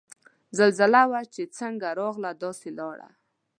زلزله وه چه څنګ راغله داسے لاړه